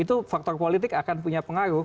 itu faktor politik akan punya pengaruh